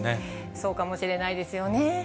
そうかもしれないですよね。